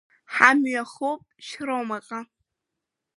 Ҳамҩа хоуп Шьромаҟа.